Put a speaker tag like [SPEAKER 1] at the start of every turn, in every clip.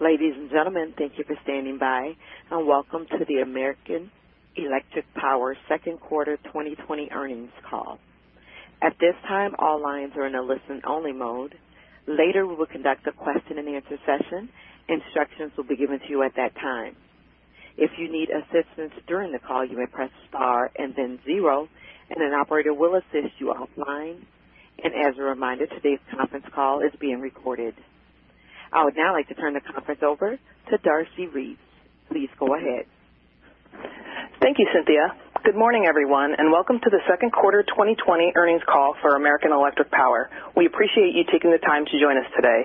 [SPEAKER 1] Ladies and gentlemen, thank you for standing by, and welcome to the American Electric Power second quarter 2020 earnings call. At this time, all lines are in a listen-only mode. Later, we will conduct a question-and-answer session. Instructions will be given to you at that time. If you need assistance during the call, you may press star and then zero, and an operator will assist you offline. As a reminder, today's conference call is being recorded. I would now like to turn the conference over to Darcy Reese. Please go ahead.
[SPEAKER 2] Thank you, Cynthia. Good morning, everyone, and welcome to the second quarter 2020 earnings call for American Electric Power. We appreciate you taking the time to join us today.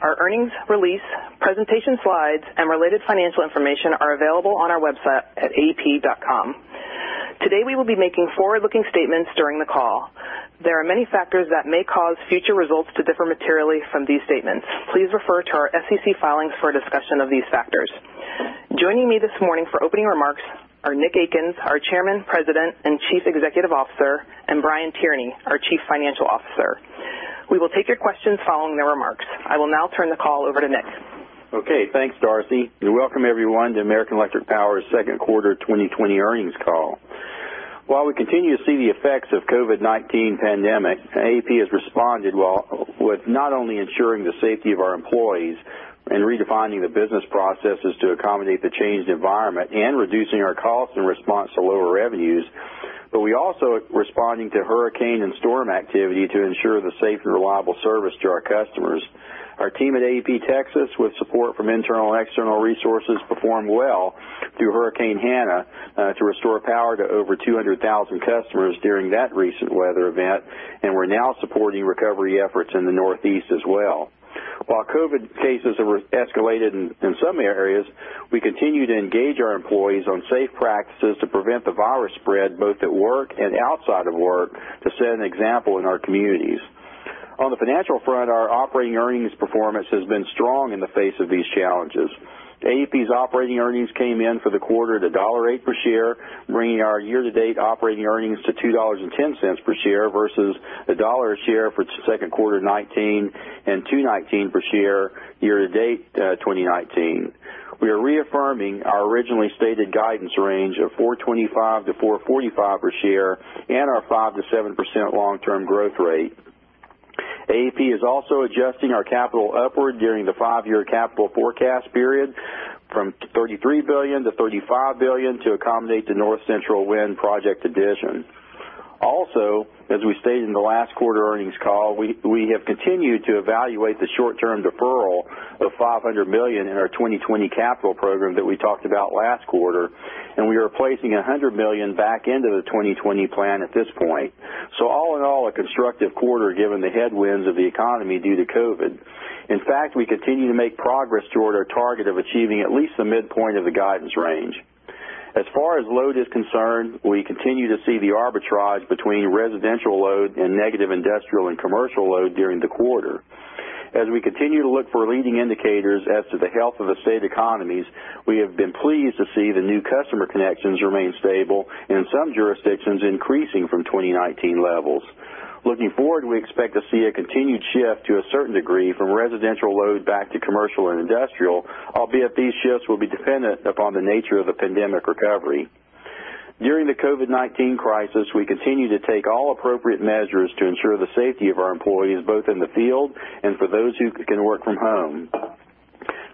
[SPEAKER 2] Our earnings release, presentation slides, and related financial information are available on our website at aep.com. Today, we will be making forward-looking statements during the call. There are many factors that may cause future results to differ materially from these statements. Please refer to our SEC filings for a discussion of these factors. Joining me this morning for opening remarks are Nick Akins, our Chairman, President, and Chief Executive Officer, and Brian Tierney, our Chief Financial Officer. We will take your questions following their remarks. I will now turn the call over to Nick.
[SPEAKER 3] Okay, thanks, Darcy, and welcome, everyone, to American Electric Power's second quarter 2020 earnings call. While we continue to see the effects of COVID-19 pandemic, AEP has responded well with not only ensuring the safety of our employees and redefining the business processes to accommodate the changed environment and reducing our costs in response to lower revenues, we also are responding to hurricane and storm activity to ensure the safe and reliable service to our customers. Our team at AEP Texas, with support from internal and external resources, performed well through Hurricane Hanna to restore power to over 200,000 customers during that recent weather event, and we're now supporting recovery efforts in the Northeast as well. While COVID cases have escalated in some areas, we continue to engage our employees on safe practices to prevent the virus spread, both at work and outside of work, to set an example in our communities. On the financial front, our operating earnings performance has been strong in the face of these challenges. AEP's operating earnings came in for the quarter to $1.08 per share, bringing our year-to-date operating earnings to $2.10 per share versus $1.00 share for second quarter 2019 and $2.19 per share year to date 2019. We are reaffirming our originally stated guidance range of $4.25-$4.45 per share and our 5%-7% long-term growth rate. AEP is also adjusting our capital upward during the five-year capital forecast period from $33 billion-$35 billion to accommodate the North Central Wind project addition. As we stated in the last quarter earnings call, we have continued to evaluate the short-term deferral of $500 million in our 2020 capital program that we talked about last quarter, and we are placing $100 million back into the 2020 plan at this point. All in all, a constructive quarter given the headwinds of the economy due to COVID. In fact, we continue to make progress toward our target of achieving at least the midpoint of the guidance range. As far as load is concerned, we continue to see the arbitrage between residential load and negative industrial and commercial load during the quarter. As we continue to look for leading indicators as to the health of the state economies, we have been pleased to see the new customer connections remain stable and in some jurisdictions increasing from 2019 levels. Looking forward, we expect to see a continued shift to a certain degree from residential load back to commercial and industrial, albeit these shifts will be dependent upon the nature of the pandemic recovery. During the COVID-19 crisis, we continue to take all appropriate measures to ensure the safety of our employees, both in the field and for those who can work from home.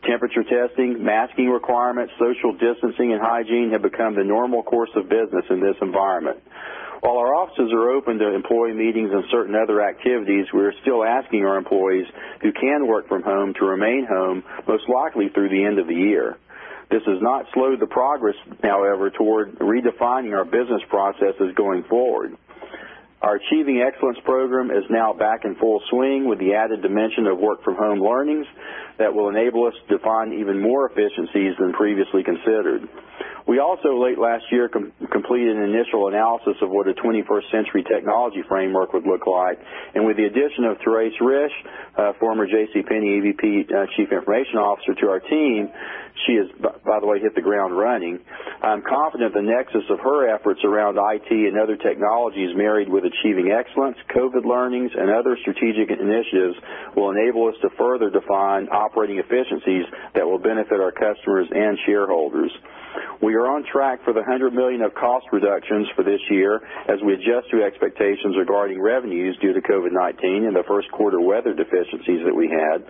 [SPEAKER 3] Temperature testing, masking requirements, social distancing, and hygiene have become the normal course of business in this environment. While our offices are open to employee meetings and certain other activities, we are still asking our employees who can work from home to remain home, most likely through the end of the year. This has not slowed the progress, however, toward redefining our business processes going forward. Our Achieving Excellence program is now back in full swing with the added dimension of work-from-home learnings that will enable us to find even more efficiencies than previously considered. We also, late last year, completed an initial analysis of what a 21st-century technology framework would look like. With the addition of Therace Risch, former JCPenney EVP, Chief Information Officer, to our team, she has, by the way, hit the ground running. I'm confident the nexus of her efforts around IT and other technologies married with Achieving Excellence, COVID learnings, and other strategic initiatives will enable us to further define operating efficiencies that will benefit our customers and shareholders. We are on track for the $100 million of cost reductions for this year as we adjust to expectations regarding revenues due to COVID-19 and the first quarter weather deficiencies that we had.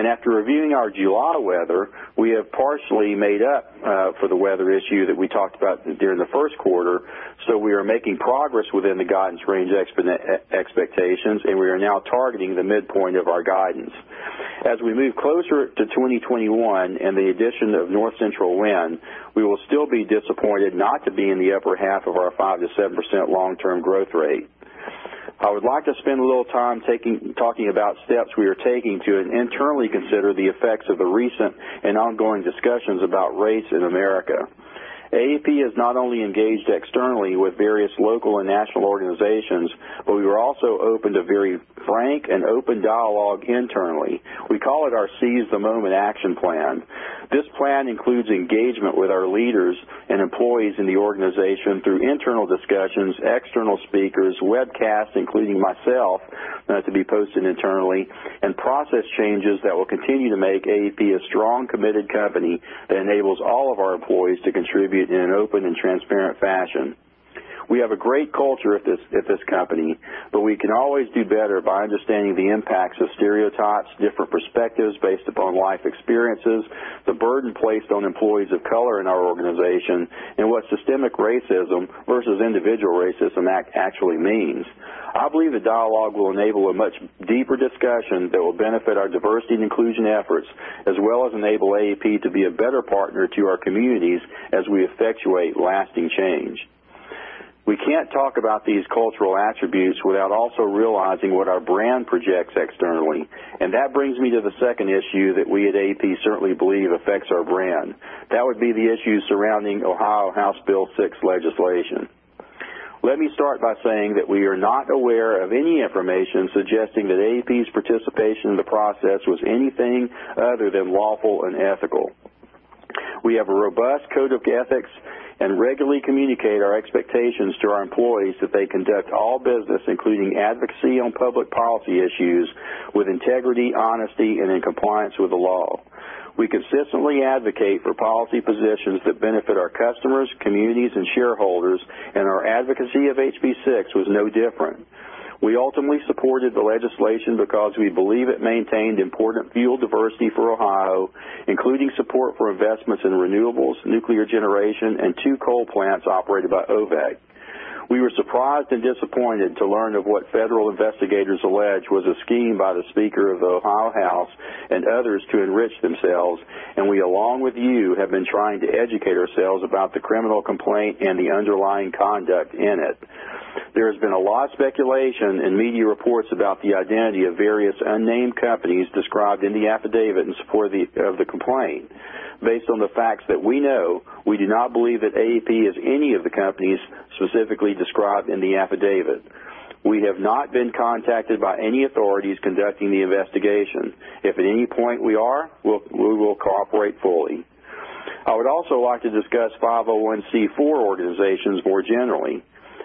[SPEAKER 3] After reviewing our July weather, we have partially made up for the weather issue that we talked about during the first quarter. We are making progress within the guidance range expectations, and we are now targeting the midpoint of our guidance. As we move closer to 2021 and the addition of North Central Wind, we will still be disappointed not to be in the upper half of our 5%-7% long-term growth rate. I would like to spend a little time talking about steps we are taking to internally consider the effects of the recent and ongoing discussions about race in America. AEP is not only engaged externally with various local and national organizations, but we are also open to very frank and open dialogue internally. We call it our Seize the Moment action plan. This plan includes engagement with our leaders and employees in the organization through internal discussions, external speakers, webcasts, including myself, to be posted internally, and process changes that will continue to make AEP a strong, committed company that enables all of our employees to contribute in an open and transparent fashion. We have a great culture at this company. We can always do better by understanding the impacts of stereotypes, different perspectives based upon life experiences, the burden placed on employees of color in our organization, and what systemic racism versus individual racism actually means. I believe the dialogue will enable a much deeper discussion that will benefit our diversity and inclusion efforts, as well as enable AEP to be a better partner to our communities as we effectuate lasting change. We can't talk about these cultural attributes without also realizing what our brand projects externally, and that brings me to the second issue that we at AEP certainly believe affects our brand. That would be the issues surrounding Ohio House Bill 6 legislation. Let me start by saying that we are not aware of any information suggesting that AEP's participation in the process was anything other than lawful and ethical. We have a robust code of ethics and regularly communicate our expectations to our employees that they conduct all business, including advocacy on public policy issues, with integrity, honesty, and in compliance with the law. We consistently advocate for policy positions that benefit our customers, communities, and shareholders, and our advocacy of HB6 was no different. We ultimately supported the legislation because we believe it maintained important fuel diversity for Ohio, including support for investments in renewables, nuclear generation, and two coal plants operated by OVEC. We were surprised and disappointed to learn of what federal investigators allege was a scheme by the Speaker of the Ohio House and others to enrich themselves, we, along with you, have been trying to educate ourselves about the criminal complaint and the underlying conduct in it. There has been a lot of speculation in media reports about the identity of various unnamed companies described in the affidavits for the complaint. Based on the facts that we know, we do not believe that AEP is any of the companies specifically described in the affidavit. We have not been contacted by any authorities conducting the investigation. If at any point we are, we will cooperate fully. I would also like to discuss 501 organizations more generally.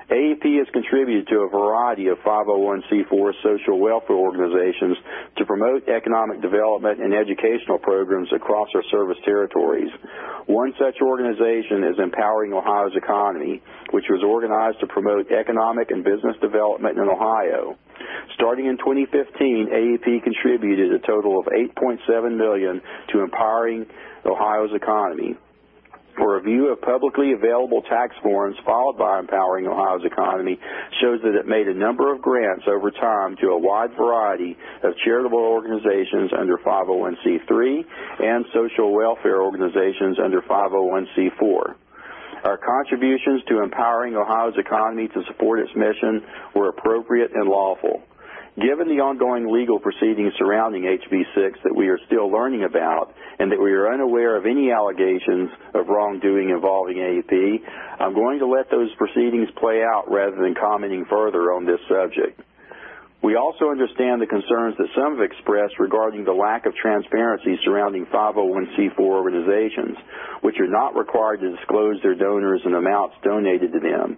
[SPEAKER 3] AEP has contributed to a variety of 501(c)(4) social welfare organizations to promote economic development and educational programs across our service territories. One such organization is Empowering Ohio's Economy, which was organized to promote economic and business development in Ohio. Starting in 2015, AEP contributed a total of $8.7 million to Empowering Ohio's Economy. A review of publicly available tax forms followed by Empowering Ohio's Economy shows that it made a number of grants over time to a wide variety of charitable organizations under 501 and social welfare organizations under 501(c)(4). Our contributions to Empowering Ohio's Economy to support its mission were appropriate and lawful. Given the ongoing legal proceedings surrounding HB6 that we are still learning about and that we are unaware of any allegations of wrongdoing involving AEP, I'm going to let those proceedings play out rather than commenting further on this subject. We also understand the concerns that some have expressed regarding the lack of transparency surrounding 501 organizations, which are not required to disclose their donors and amounts donated to them.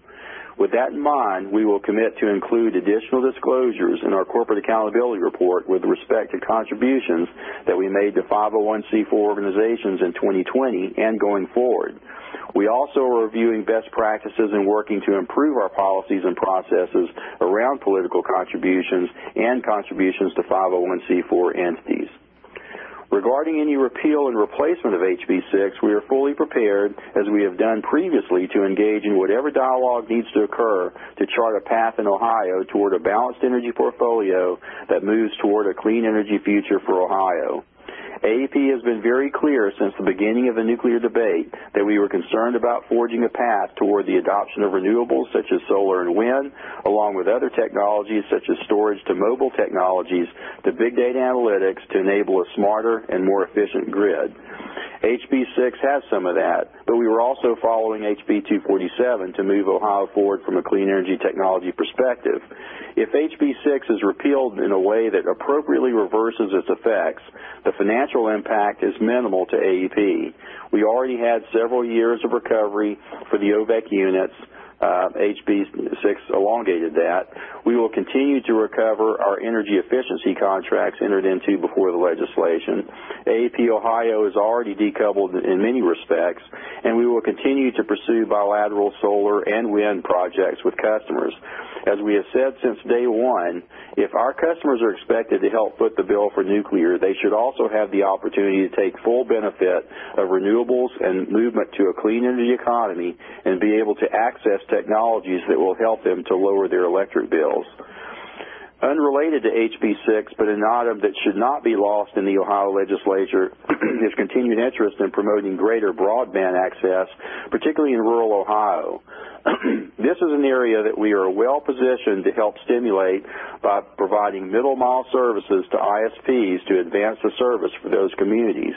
[SPEAKER 3] With that in mind, we will commit to include additional disclosures in our corporate accountability report with respect to contributions that we made to 501 organizations in 2020 and going forward. We also are reviewing best practices and working to improve our policies and processes around political contributions and contributions to 501 entities. Regarding any repeal and replacement of HB6, we are fully prepared, as we have done previously, to engage in whatever dialogue needs to occur to chart a path in Ohio toward a balanced energy portfolio that moves toward a clean energy future for Ohio. AEP has been very clear since the beginning of the nuclear debate that we were concerned about forging a path toward the adoption of renewables such as solar and wind, along with other technologies such as storage to mobile technologies, to big data analytics to enable a smarter and more efficient grid. HB6 has some of that, but we were also following HB247 to move Ohio forward from a clean energy technology perspective. If HB6 is repealed in a way that appropriately reverses its effects, the financial impact is minimal to AEP. We already had several years of recovery for the OVEC units. HB6 elongated that. We will continue to recover our energy efficiency contracts entered into before the legislation. AEP Ohio is already decoupled in many respects. We will continue to pursue bilateral solar and wind projects with customers. As we have said since day one, if our customers are expected to help foot the bill for nuclear, they should also have the opportunity to take full benefit of renewables and movement to a clean energy economy and be able to access technologies that will help them to lower their electric bills. Unrelated to HB6, an item that should not be lost in the Ohio legislature, is continued interest in promoting greater broadband access, particularly in rural Ohio. This is an area that we are well-positioned to help stimulate by providing middle mile services to ISPs to advance the service for those communities.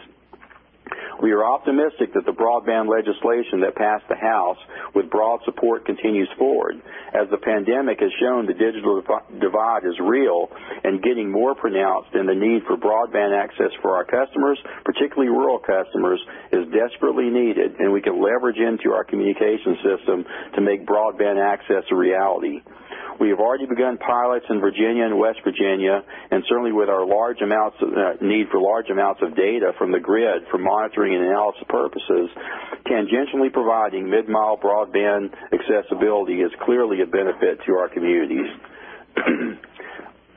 [SPEAKER 3] We are optimistic that the broadband legislation that passed the House with broad support continues forward. As the pandemic has shown, the digital divide is real and getting more pronounced, and the need for broadband access for our customers, particularly rural customers, is desperately needed, and we can leverage into our communication system to make broadband access a reality. We have already begun pilots in Virginia and West Virginia, and certainly with our need for large amounts of data from the grid for monitoring and analysis purposes, tangentially providing mid-mile broadband accessibility is clearly a benefit to our communities.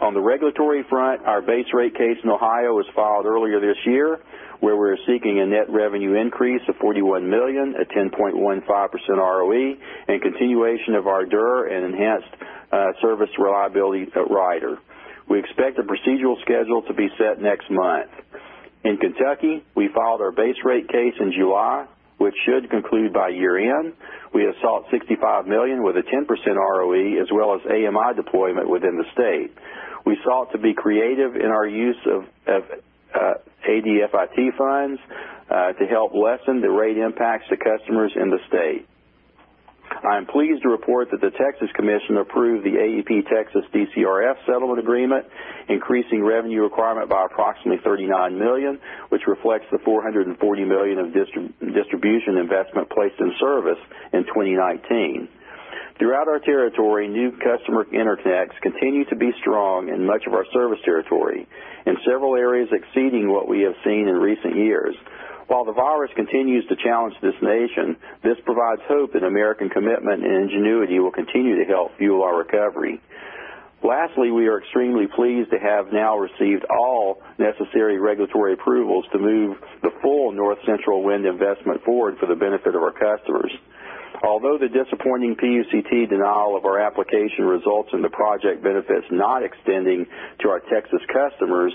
[SPEAKER 3] On the regulatory front, our base rate case in Ohio was filed earlier this year, where we're seeking a net revenue increase of $41 million at 10.15% ROE and continuation of our DCRF and enhanced service reliability at Rider. We expect the procedural schedule to be set next month. In Kentucky, we filed our base rate case in July, which should conclude by year-end. We have sought $65 million with a 10% ROE as well as AMI deployment within the state. We sought to be creative in our use of ADFIT funds to help lessen the rate impacts to customers in the state. I am pleased to report that the Texas Commission approved the AEP Texas DCRF settlement agreement, increasing revenue requirement by approximately $39 million, which reflects the $440 million of distribution investment placed in service in 2019. Throughout our territory, new customer interconnects continue to be strong in much of our service territory, in several areas exceeding what we have seen in recent years. While the virus continues to challenge this nation, this provides hope that American commitment and ingenuity will continue to help fuel our recovery. Lastly, we are extremely pleased to have now received all necessary regulatory approvals to move the full North Central Wind investment forward for the benefit of our customers. Although the disappointing PUCT denial of our application results in the project benefits not extending to our Texas customers,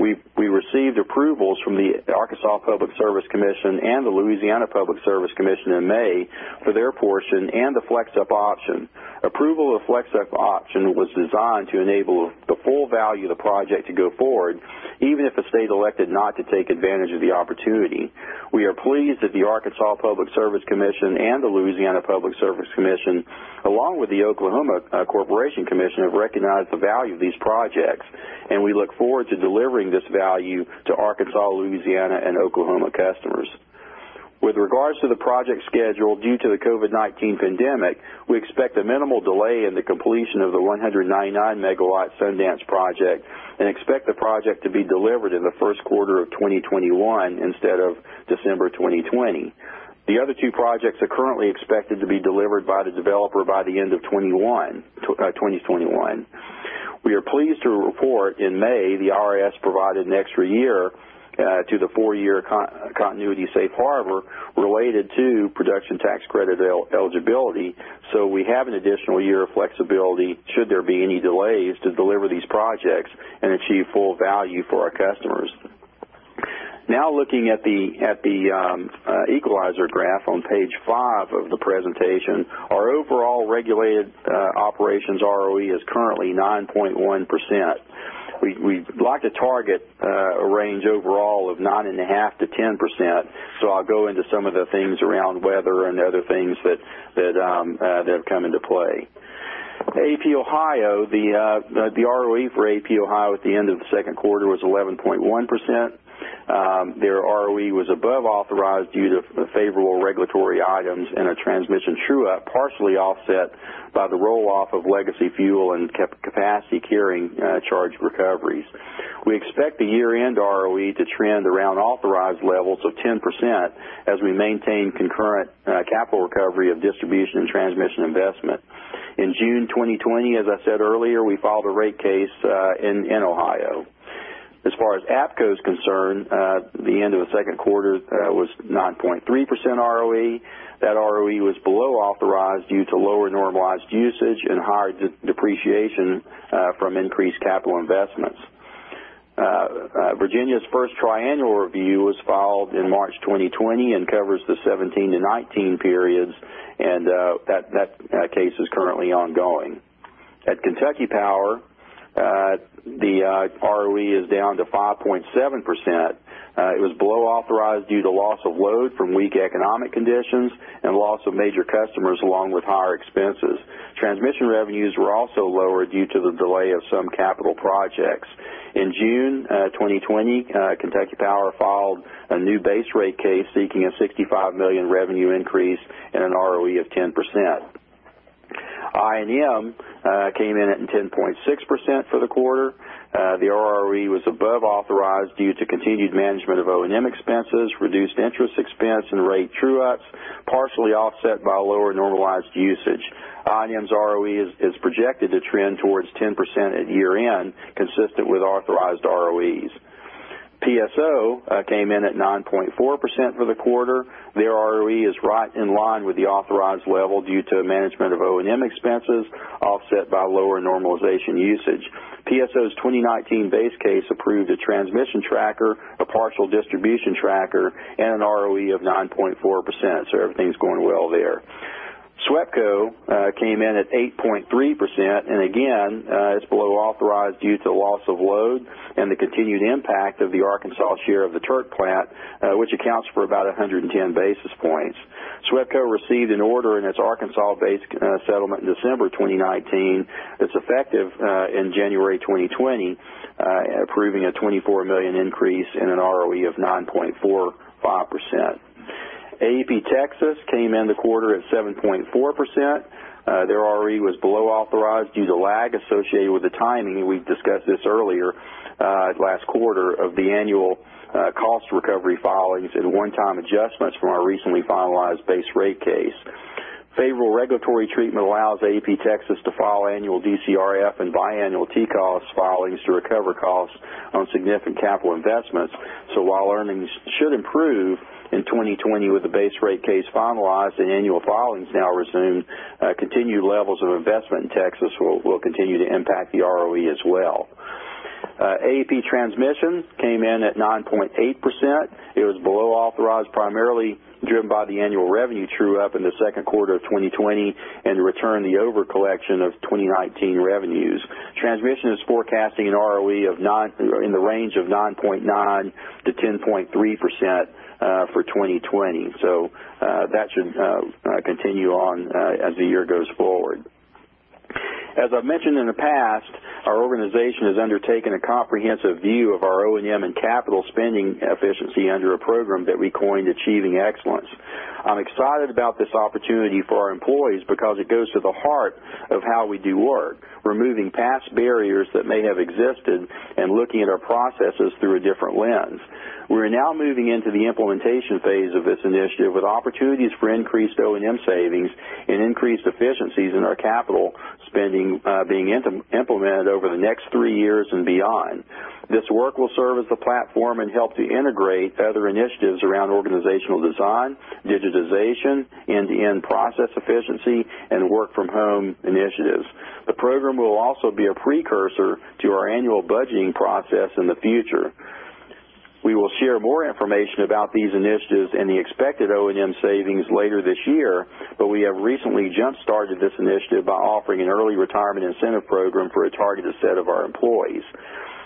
[SPEAKER 3] we received approvals from the Arkansas Public Service Commission and the Louisiana Public Service Commission in May for their portion and the flex-up option. Approval of flex-up option was designed to enable the full value of the project to go forward, even if the state elected not to take advantage of the opportunity. We are pleased that the Arkansas Public Service Commission and the Louisiana Public Service Commission, along with the Oklahoma Corporation Commission, have recognized the value of these projects, and we look forward to delivering this value to Arkansas, Louisiana, and Oklahoma customers. With regards to the project schedule, due to the COVID-19 pandemic, we expect a minimal delay in the completion of the 199-megawatt Sundance project and expect the project to be delivered in the first quarter of 2021 instead of December 2020. The other two projects are currently expected to be delivered by the developer by the end of 2021. In May, the IRS provided an extra year to the four-year continuity safe harbor related to production tax credit eligibility. We have an additional year of flexibility should there be any delays to deliver these projects and achieve full value for our customers. Looking at the equalizer graph on page five of the presentation, our overall regulated operations ROE is currently 9.1%. We'd like to target a range overall of nine and a half to 10%. I'll go into some of the things around weather and other things that have come into play. AEP Ohio, the ROE for AEP Ohio at the end of the second quarter was 11.1%. Their ROE was above authorized due to favorable regulatory items and a transmission true-up, partially offset by the roll-off of legacy fuel and capacity carrying charge recoveries. We expect the year-end ROE to trend around authorized levels of 10% as we maintain concurrent capital recovery of distribution and transmission investment. In June 2020, as I said earlier, we filed a rate case in Ohio. As far as APCO is concerned, the end of the second quarter was 9.3% ROE. That ROE was below authorized due to lower normalized usage and higher depreciation from increased capital investments. Virginia's first triennial review was filed in March 2020 and covers the 2017-2019 periods. That case is currently ongoing. At Kentucky Power, the ROE is down to 5.7%. It was below authorized due to loss of load from weak economic conditions and loss of major customers, along with higher expenses. Transmission revenues were also lower due to the delay of some capital projects. In June 2020, Kentucky Power filed a new base rate case seeking a $65 million revenue increase and an ROE of 10%. I&M came in at 10.6% for the quarter. The ROE was above authorized due to continued management of O&M expenses, reduced interest expense, and rate true-ups, partially offset by lower normalized usage. I&M's ROE is projected to trend towards 10% at year-end, consistent with authorized ROEs. PSO came in at 9.4% for the quarter. Their ROE is right in line with the authorized level due to management of O&M expenses offset by lower normalization usage. PSO's 2019 base case approved a transmission tracker, a partial distribution tracker, and an ROE of 9.4%. Everything's going well there. SWEPCO came in at 8.3%. Again, it's below authorized due to loss of load and the continued impact of the Arkansas share of the Turk plant, which accounts for about 110 basis points. SWEPCO received an order in its Arkansas-based settlement in December 2019 that's effective in January 2020, approving a $24 million increase and an ROE of 9.45%. AEP Texas came in the quarter at 7.4%. Their ROE was below authorized due to lag associated with the timing, we've discussed this earlier, last quarter, of the annual cost recovery filings and one-time adjustments from our recently finalized base rate case. Favorable regulatory treatment allows AEP Texas to file annual DCRF and biannual TCOS filings to recover costs on significant capital investments. While earnings should improve in 2020 with the base rate case finalized and annual filings now resumed, continued levels of investment in Texas will continue to impact the ROE as well. AEP Transmission came in at 9.8%. It was below authorized, primarily driven by the annual revenue true-up in the second quarter of 2020, and to return the over-collection of 2019 revenues. Transmission is forecasting an ROE in the range of 9.9%-10.3% for 2020. That should continue on as the year goes forward. As I've mentioned in the past, our organization has undertaken a comprehensive view of our O&M and capital spending efficiency under a program that we coined Achieving Excellence. I'm excited about this opportunity for our employees because it goes to the heart of how we do work, removing past barriers that may have existed, and looking at our processes through a different lens. We're now moving into the implementation phase of this initiative with opportunities for increased O&M savings and increased efficiencies in our capital spending being implemented over the next three years and beyond. This work will serve as the platform and help to integrate other initiatives around organizational design, digitization, end-to-end process efficiency, and work-from-home initiatives. The program will also be a precursor to our annual budgeting process in the future. We will share more information about these initiatives and the expected O&M savings later this year, but we have recently jump-started this initiative by offering an early retirement incentive program for a targeted set of our employees.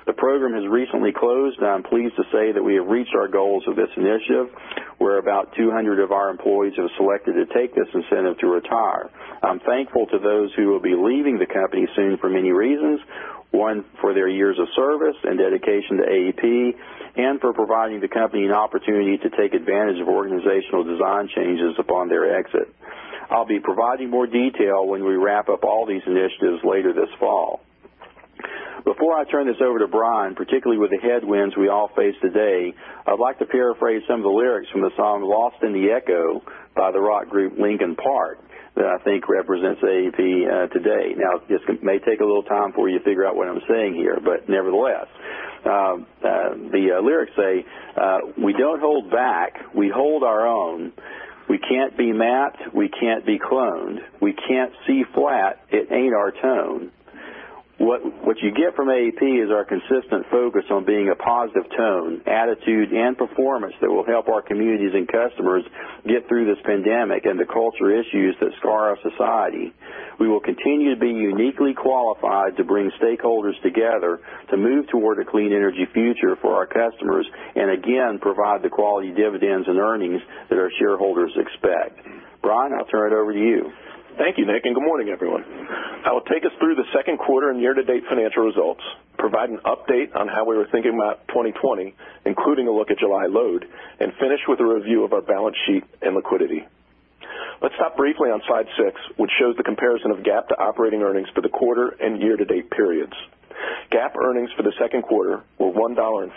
[SPEAKER 3] The program has recently closed, and I'm pleased to say that we have reached our goals with this initiative, where about 200 of our employees have selected to take this incentive to retire. I'm thankful to those who will be leaving the company soon for many reasons. One, for their years of service and dedication to AEP, and for providing the company an opportunity to take advantage of organizational design changes upon their exit. I'll be providing more detail when we wrap up all these initiatives later this fall. Before I turn this over to Brian, particularly with the headwinds we all face today, I'd like to paraphrase some of the lyrics from the song "Lost in the Echo" by the rock group Linkin Park, that I think represents AEP today. Now, this may take a little time for you to figure out what I'm saying here, nevertheless. The lyrics say, "We don't hold back. We hold our own. We can't be mapped. We can't be cloned. We can't see flat. It ain't our tone." What you get from AEP is our consistent focus on being a positive tone, attitude, and performance that will help our communities and customers get through this pandemic and the culture issues that scar our society. We will continue to be uniquely qualified to bring stakeholders together to move toward a clean energy future for our customers, and again, provide the quality dividends and earnings that our shareholders expect. Brian, I'll turn it over to you.
[SPEAKER 4] Thank you, Nick, good morning, everyone. I will take us through the second quarter and year-to-date financial results, provide an update on how we were thinking about 2020, including a look at July load, and finish with a review of our balance sheet and liquidity. Let's stop briefly on slide six, which shows the comparison of GAAP to operating earnings for the quarter and year-to-date periods. GAAP earnings for the second quarter were $1.05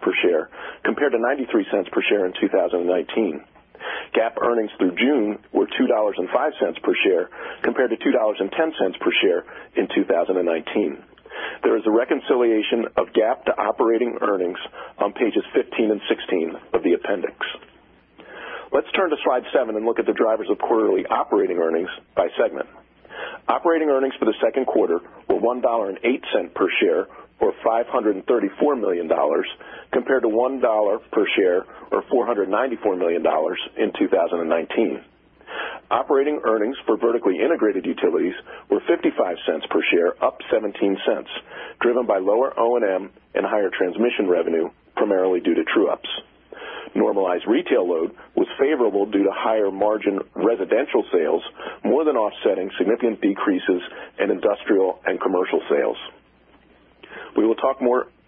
[SPEAKER 4] per share compared to $0.93 per share in 2019. GAAP earnings through June were $2.05 per share compared to $2.10 per share in 2019. There is a reconciliation of GAAP to operating earnings on pages 15 and 16 of the appendix. Let's turn to slide seven and look at the drivers of quarterly operating earnings by segment. Operating earnings for the second quarter were $1.08 per share or $534 million compared to $1.00 per share or $494 million in 2019. Operating earnings for vertically integrated utilities were $0.55 per share, up $0.17, driven by lower O&M and higher transmission revenue, primarily due to true-ups. Normalized retail load was favorable due to higher-margin residential sales, more than offsetting significant decreases in industrial and commercial sales. We will talk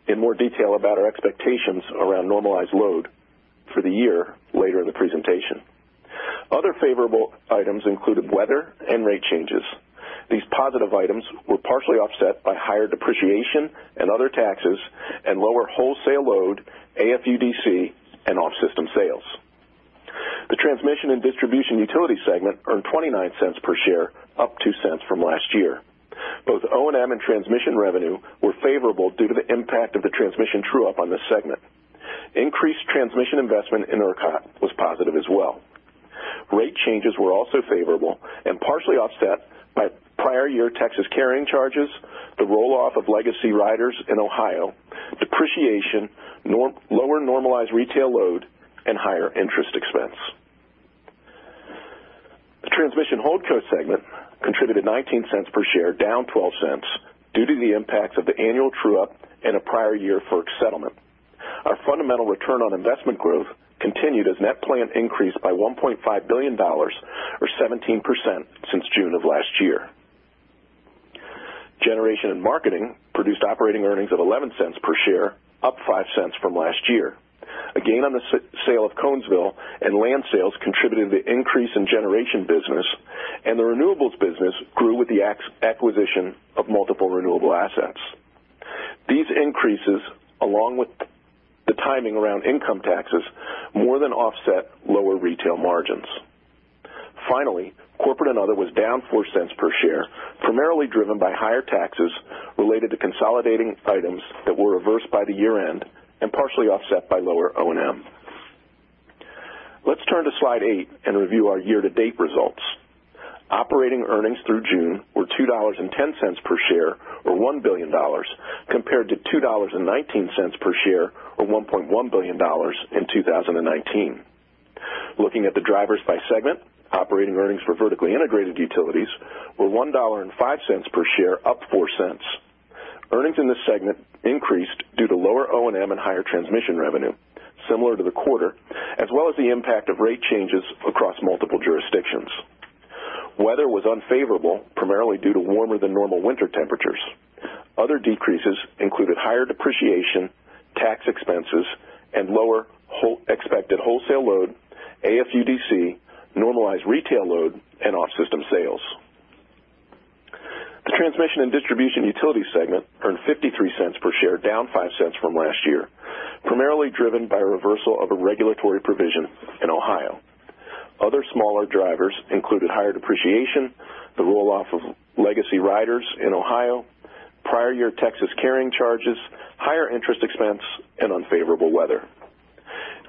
[SPEAKER 4] in more detail about our expectations around normalized load for the year later in the presentation. Other favorable items included weather and rate changes. These positive items were partially offset by higher depreciation and other taxes and lower wholesale load, AFUDC, and off-system sales. The transmission and distribution utility segment earned $0.29 per share, up $0.02 from last year. Both O&M and transmission revenue were favorable due to the impact of the transmission true-up on this segment. Increased transmission investment in ERCOT was positive as well. Rate changes were also favorable and partially offset by prior year Texas carrying charges, the roll-off of legacy riders in Ohio, depreciation, lower normalized retail load, and higher interest expense. The Transmission Holdco segment contributed $0.19 per share, down $0.12, due to the impacts of the annual true-up and a prior year FERC settlement. Fundamental return on investment growth continued as net plan increased by $1.5 billion, or 17%, since June of last year. Generation and marketing produced operating earnings of $0.11 per share, up $0.05 from last year. A gain on the sale of Conesville and land sales contributed to the increase in generation business, and the renewables business grew with the acquisition of multiple renewable assets. These increases, along with the timing around income taxes, more than offset lower retail margins. Finally, corporate and other was down $0.04 per share, primarily driven by higher taxes related to consolidating items that were reversed by the year-end and partially offset by lower O&M. Let's turn to slide eight and review our year-to-date results. Operating earnings through June were $2.10 per share, or $1 billion, compared to $2.19 per share, or $1.1 billion in 2019. Looking at the drivers by segment, operating earnings for vertically integrated utilities were $1.05 per share, up $0.04. Earnings in this segment increased due to lower O&M and higher transmission revenue, similar to the quarter, as well as the impact of rate changes across multiple jurisdictions. Weather was unfavorable, primarily due to warmer-than-normal winter temperatures. Other decreases included higher depreciation, tax expenses, and lower expected wholesale load, AFUDC, normalized retail load, and off-system sales. The transmission and distribution utility segment earned $0.53 per share, down $0.05 from last year, primarily driven by a reversal of a regulatory provision in Ohio. Other smaller drivers included higher depreciation, the roll-off of legacy riders in Ohio, prior year Texas carrying charges, higher interest expense, and unfavorable weather.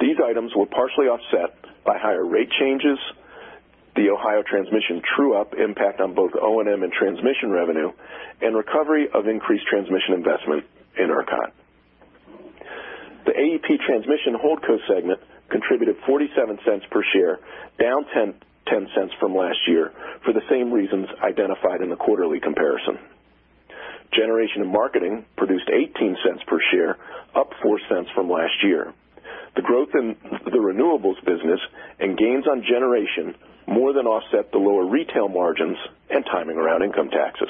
[SPEAKER 4] These items were partially offset by higher rate changes, the Ohio transmission true-up impact on both O&M and transmission revenue, and recovery of increased transmission investment in ERCOT. The AEP Transmission Holdco segment contributed $0.47 per share, down $0.10 from last year for the same reasons identified in the quarterly comparison. Generation and marketing produced $0.18 per share, up $0.04 from last year. The growth in the renewables business and gains on generation more than offset the lower retail margins and timing around income taxes.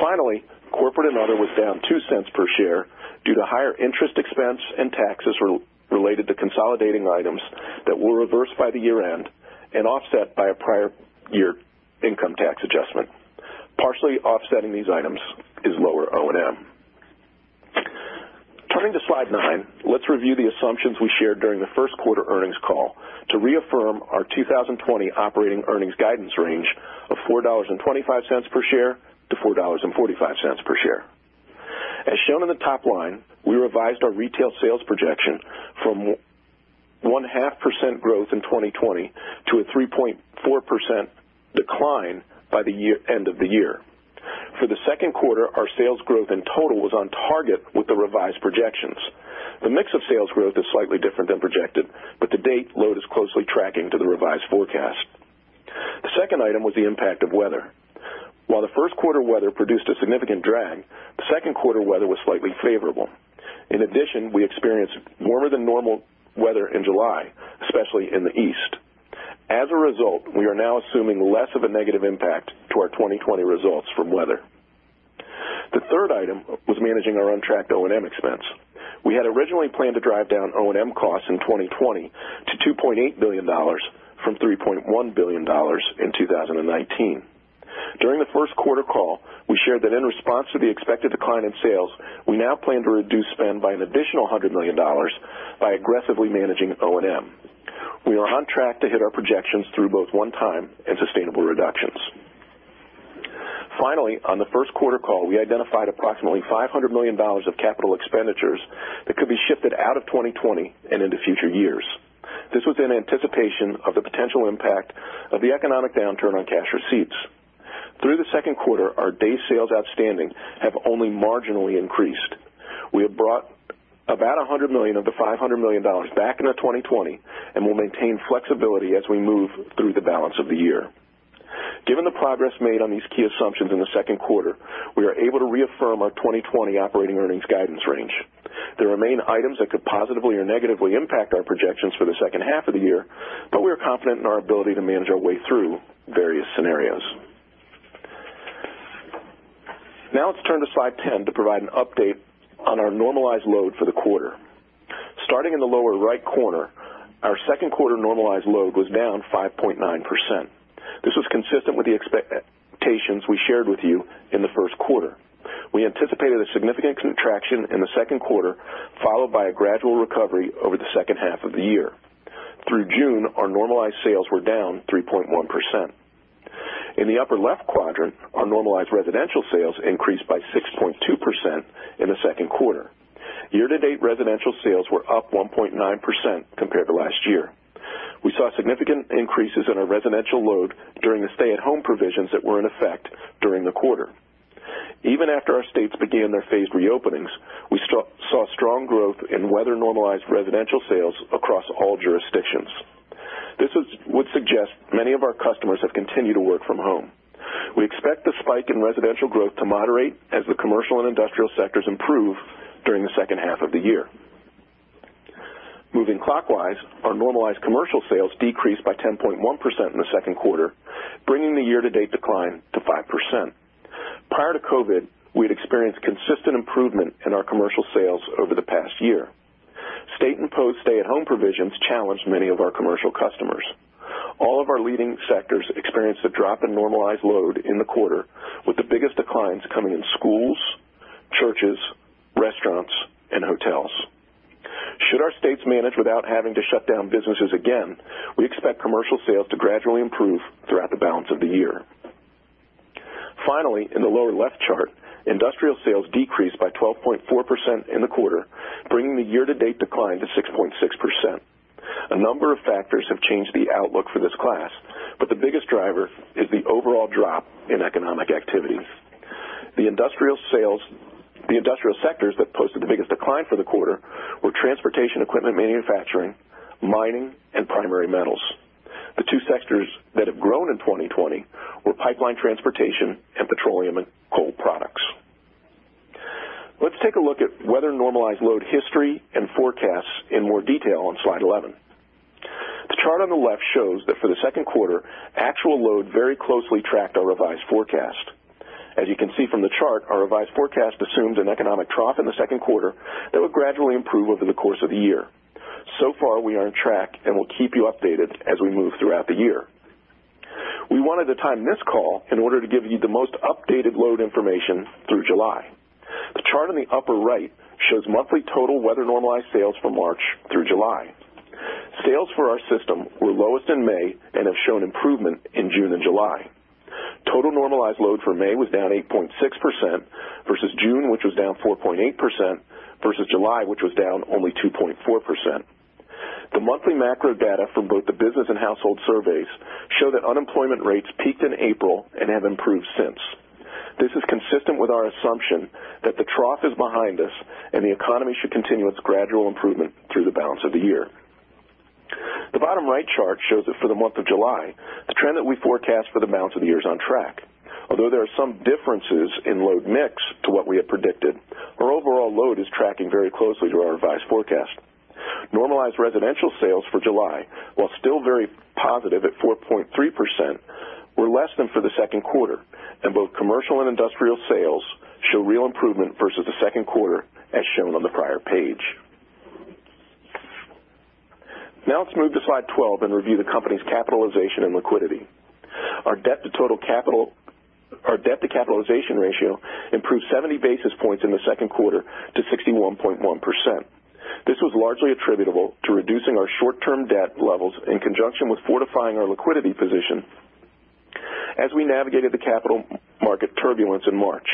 [SPEAKER 4] Finally, corporate and other was down $0.02 per share due to higher interest expense and taxes related to consolidating items that were reversed by the year-end and offset by a prior year income tax adjustment. Partially offsetting these items is lower O&M. Turning to slide nine, let's review the assumptions we shared during the first quarter earnings call to reaffirm our 2020 operating earnings guidance range of $4.25 per share to $4.45 per share. As shown in the top line, we revised our retail sales projection from 0.5% growth in 2020 to a 3.4% decline by the end of the year. For the second quarter, our sales growth in total was on target with the revised projections. The mix of sales growth is slightly different than projected, but to date, load is closely tracking to the revised forecast. The second item was the impact of weather. While the first quarter weather produced a significant drag, the second quarter weather was slightly favorable. In addition, we experienced warmer-than-normal weather in July, especially in the East. As a result, we are now assuming less of a negative impact to our 2020 results from weather. The third item was managing our untracked O&M expense. We had originally planned to drive down O&M costs in 2020 to $2.8 billion from $3.1 billion in 2019. During the first quarter call, we shared that in response to the expected decline in sales, we now plan to reduce spend by an additional $100 million by aggressively managing O&M. We are on track to hit our projections through both one-time and sustainable reductions. Finally, on the first quarter call, we identified approximately $500 million of capital expenditures that could be shifted out of 2020 and into future years. This was in anticipation of the potential impact of the economic downturn on cash receipts. Through the second quarter, our day sales outstanding have only marginally increased. We have brought about $100 million of the $500 million back into 2020 and will maintain flexibility as we move through the balance of the year. Given the progress made on these key assumptions in the second quarter, we are able to reaffirm our 2020 operating earnings guidance range. There remain items that could positively or negatively impact our projections for the second half of the year, but we are confident in our ability to manage our way through various scenarios. Now let's turn to slide 10 to provide an update on our normalized load for the quarter. Starting in the lower right corner, our second quarter normalized load was down 5.9%. This was consistent with the expectations we shared with you in the first quarter. We anticipated a significant contraction in the second quarter, followed by a gradual recovery over the second half of the year. Through June, our normalized sales were down 3.1%. In the upper left quadrant, our normalized residential sales increased by 6.2% in the second quarter. Year-to-date residential sales were up 1.9% compared to last year. We saw significant increases in our residential load during the stay-at-home provisions that were in effect during the quarter. Even after our states began their phased reopenings, we saw strong growth in weather-normalized residential sales across all jurisdictions. This would suggest many of our customers have continued to work from home. We expect the spike in residential growth to moderate as the commercial and industrial sectors improve during the second half of the year. Moving clockwise, our normalized commercial sales decreased by 10.1% in the second quarter, bringing the year-to-date decline to 5%. Prior to COVID, we had experienced consistent improvement in our commercial sales over the past year. State-imposed stay-at-home provisions challenged many of our commercial customers. All of our leading sectors experienced a drop in normalized load in the quarter, with the biggest declines coming in schools, churches, restaurants, and hotels. Should our states manage without having to shut down businesses again, we expect commercial sales to gradually improve throughout the balance of the year. Finally, in the lower left chart, industrial sales decreased by 12.4% in the quarter, bringing the year-to-date decline to 6.6%. A number of factors have changed the outlook for this class, but the biggest driver is the overall drop in economic activity. The industrial sectors that posted the biggest decline for the quarter were transportation equipment manufacturing, mining, and primary metals. The two sectors that have grown in 2020 were pipeline transportation and petroleum and coal products. Let's take a look at weather-normalized load history and forecasts in more detail on slide 11. The chart on the left shows that for the second quarter, actual load very closely tracked our revised forecast. As you can see from the chart, our revised forecast assumes an economic trough in the second quarter that would gradually improve over the course of the year. So far, we are on track, and we'll keep you updated as we move throughout the year. We wanted to time this call in order to give you the most updated load information through July. The chart on the upper right shows monthly total weather-normalized sales from March through July. Sales for our system were lowest in May and have shown improvement in June and July. Total normalized load for May was down 8.6%, versus June, which was down 4.8%, versus July, which was down only 2.4%. The monthly macro data from both the business and household surveys show that unemployment rates peaked in April and have improved since. This is consistent with our assumption that the trough is behind us and the economy should continue its gradual improvement through the balance of the year. The bottom right chart shows that for the month of July, the trend that we forecast for the balance of the year is on track. Although there are some differences in load mix to what we had predicted, our overall load is tracking very closely to our revised forecast. Normalized residential sales for July, while still very positive at 4.3%, were less than for the second quarter. Both commercial and industrial sales show real improvement versus the second quarter, as shown on the prior page. Let's move to slide 12 and review the company's capitalization and liquidity. Our debt-to-capitalization ratio improved 70 basis points in the second quarter to 61.1%. This was largely attributable to reducing our short-term debt levels in conjunction with fortifying our liquidity position as we navigated the capital market turbulence in March.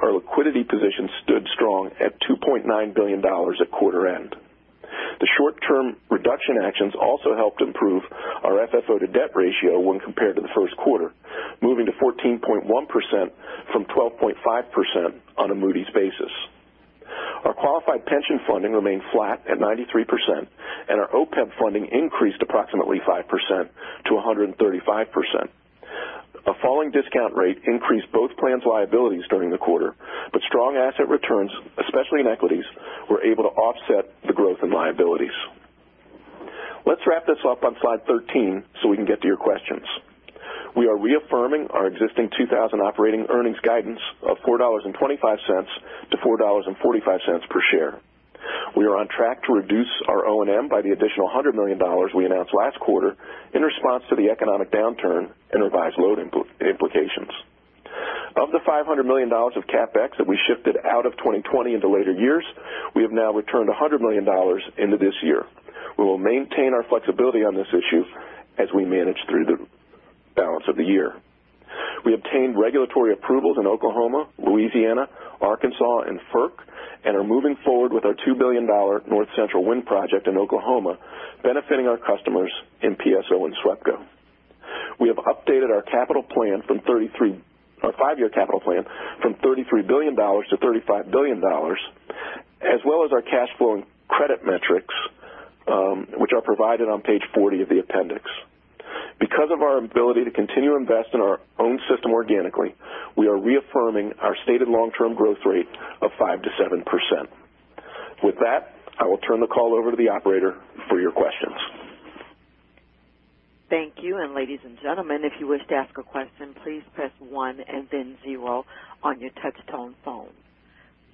[SPEAKER 4] Our liquidity position stood strong at $2.9 billion at quarter end. The short-term reduction actions also helped improve our FFO to debt ratio when compared to the first quarter, moving to 14.1% from 12.5% on a Moody's basis. Our qualified pension funding remained flat at 93%, and our OPEB funding increased approximately 5% to 135%. A falling discount rate increased both plans' liabilities during the quarter, strong asset returns, especially in equities, were able to offset the growth in liabilities. Let's wrap this up on slide 13 so we can get to your questions. We are reaffirming our existing 2000 operating earnings guidance of $4.25 to $4.45 per share. We are on track to reduce our O&M by the additional $100 million we announced last quarter in response to the economic downturn and revised load implications. Of the $500 million of CapEx that we shifted out of 2020 into later years, we have now returned $100 million into this year. We will maintain our flexibility on this issue as we manage through the balance of the year. We obtained regulatory approvals in Oklahoma, Louisiana, Arkansas, and FERC, and are moving forward with our $2 billion North Central Wind project in Oklahoma, benefiting our customers in PSO and SWEPCO. We have updated our five-year capital plan from $33 billion to $35 billion, as well as our cash flow and credit metrics, which are provided on page 40 of the appendix. Because of our ability to continue to invest in our own system organically, we are reaffirming our stated long-term growth rate of 5% to 7%. With that, I will turn the call over to the operator for your questions.
[SPEAKER 1] Thank you. Ladies and gentlemen, if you wish to ask a question, please press one and then zero on your touch-tone phone.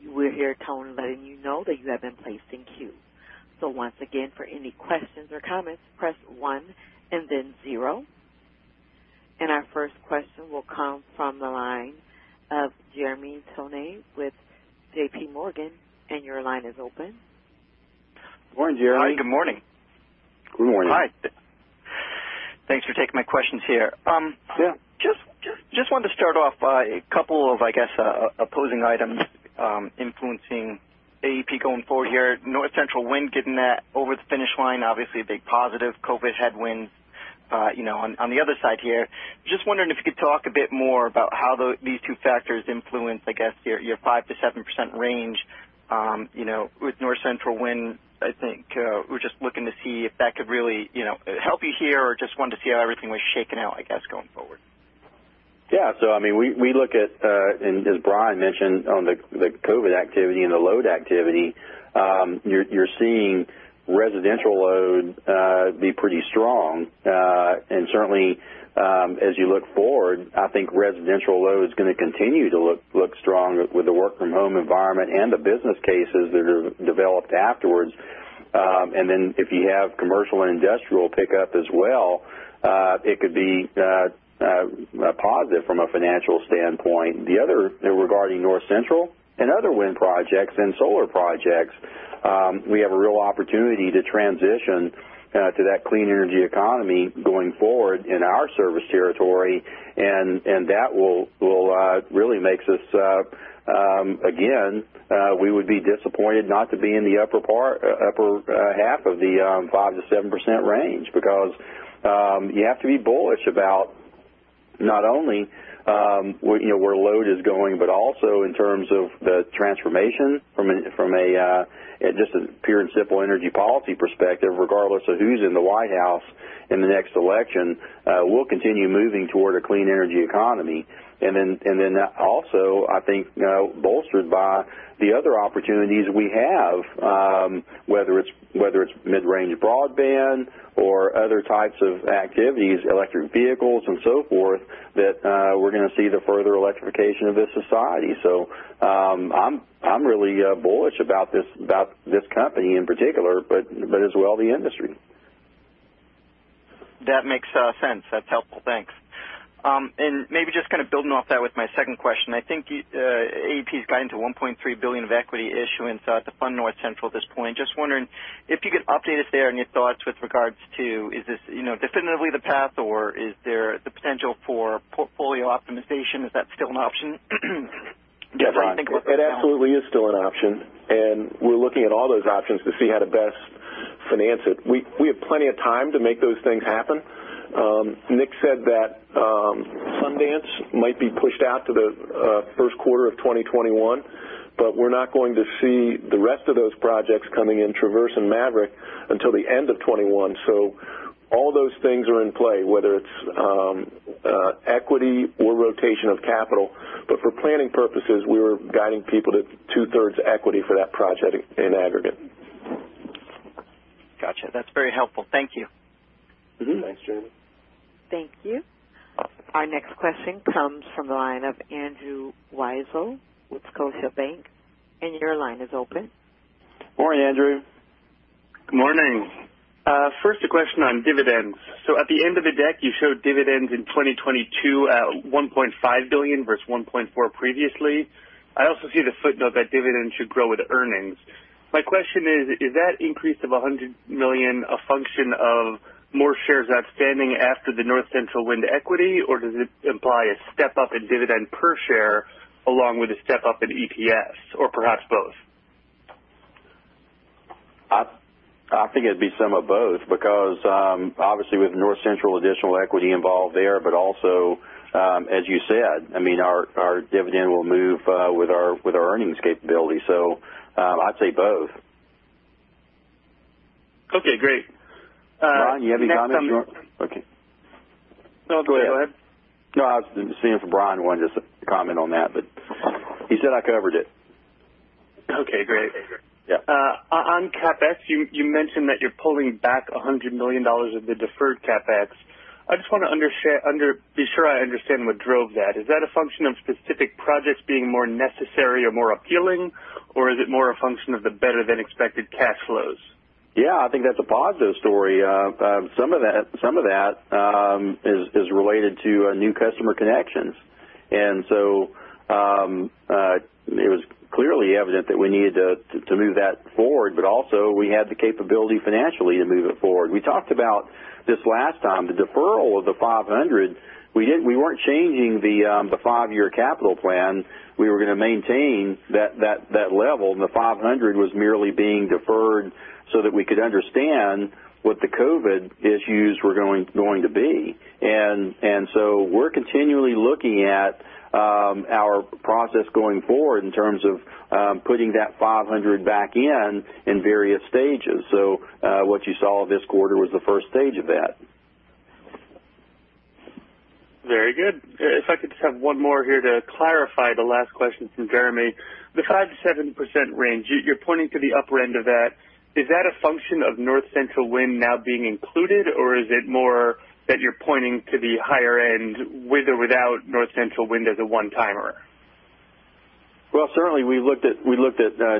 [SPEAKER 1] You will hear a tone letting you know that you have been placed in queue. Once again, for any questions or comments, press one and then zero. Our first question will come from the line of Jeremy Tonet with J.P. Morgan, and your line is open.
[SPEAKER 4] Morning, Jeremy.
[SPEAKER 5] Good morning.
[SPEAKER 3] Good morning.
[SPEAKER 5] Hi. Thanks for taking my questions here.
[SPEAKER 4] Yeah.
[SPEAKER 5] Just wanted to start off by a couple of, I guess, opposing items influencing AEP going forward here. North Central Wind, getting that over the finish line, obviously a big positive. COVID headwinds. On the other side here, just wondering if you could talk a bit more about how these two factors influence, I guess, your 5% to 7% range, with North Central Wind. I think we're just looking to see if that could really help you here or just wanted to see how everything was shaking out, I guess, going forward.
[SPEAKER 3] Yeah. We look at, and as Brian mentioned on the COVID activity and the load activity, you're seeing residential loads be pretty strong. Certainly, as you look forward, I think residential load's going to continue to look strong with the work-from-home environment and the business cases that are developed afterwards. If you have commercial and industrial pickup as well, it could be positive from a financial standpoint. Regarding North Central and other wind projects and solar projects, we have a real opportunity to transition to that clean energy economy going forward in our service territory, and that will really makes us, again, we would be disappointed not to be in the upper half of the 5% to 7% range because you have to be bullish about not only where load is going, but also in terms of the transformation from just a pure and simple energy policy perspective, regardless of who's in the White House in the next election, we'll continue moving toward a clean energy economy. Also, I think, bolstered by the other opportunities we have, whether it's mid-range broadband or other types of activities, electric vehicles and so forth, that we're going to see the further electrification of this society. I'm really bullish about this company in particular, but as well, the industry.
[SPEAKER 5] That makes sense. That's helpful. Thanks. Maybe just kind of building off that with my second question. I think AEP's gotten to $1.3 billion of equity issuance to fund North Central at this point. Just wondering if you could update us there on your thoughts with regards to is this definitively the path, or is there the potential for portfolio optimization? Is that still an option?
[SPEAKER 4] Yeah. It absolutely is still an option, and we're looking at all those options to see how to best finance it. We have plenty of time to make those things happen. Nick said that Sundance might be pushed out to the first quarter of 2021, but we're not going to see the rest of those projects coming in Traverse and Maverick until the end of 2021. All those things are in play, whether it's equity or rotation of capital. For planning purposes, we were guiding people to two-thirds equity for that project in aggregate.
[SPEAKER 5] Got you. That's very helpful. Thank you.
[SPEAKER 3] Mm-hmm.
[SPEAKER 4] Thanks, Jeremy.
[SPEAKER 1] Thank you. Our next question comes from the line of Andrew Weisel with Scotiabank. Your line is open.
[SPEAKER 3] Morning, Andrew.
[SPEAKER 6] Good morning. First a question on dividends. At the end of the deck, you showed dividends in 2022 at $1.5 billion versus $1.4 billion previously. I also see the footnote that dividends should grow with earnings. My question is that increase of $100 million a function of more shares outstanding after the North Central Wind equity, or does it imply a step-up in dividend per share along with a step-up in EPS, or perhaps both?
[SPEAKER 3] I think it'd be some of both because, obviously with North Central, additional equity involved there. Also, as you said, our dividend will move with our earnings capability. I'd say both.
[SPEAKER 6] Okay, great.
[SPEAKER 3] Brian, you have any comment you want? Okay.
[SPEAKER 6] No, go ahead.
[SPEAKER 3] No, I was seeing if Brian wanted to comment on that, but he said I covered it.
[SPEAKER 6] Okay, great.
[SPEAKER 3] Yeah.
[SPEAKER 6] On CapEx, you mentioned that you're pulling back $100 million of the deferred CapEx. I just want to be sure I understand what drove that. Is that a function of specific projects being more necessary or more appealing, or is it more a function of the better-than-expected cash flows?
[SPEAKER 3] Yeah, I think that's a positive story. Some of that is related to new customer connections. It was clearly evident that we needed to move that forward, but also we had the capability financially to move it forward. We talked about this last time, the deferral of the $500. We weren't changing the five-year capital plan. We were going to maintain that level. The $500 was merely being deferred so that we could understand what the COVID issues were going to be. We're continually looking at our process going forward in terms of putting that $500 back in in various stages. What you saw this quarter was the 1st stage of that.
[SPEAKER 6] Very good. If I could just have one more here to clarify the last question from Jeremy. The 5%-7% range, you're pointing to the upper end of that. Is that a function of North Central Wind now being included, or is it more that you're pointing to the higher end with or without North Central Wind as a one-timer?
[SPEAKER 3] Certainly we looked at